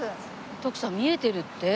徳さん見えてるってもう。